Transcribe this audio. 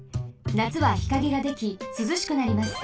なつは日陰ができすずしくなります。